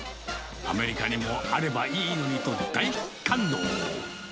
アメリカにもあればいいのにと、大感動。